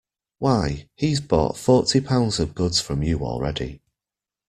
Why, he's bought forty pounds of goods from you already.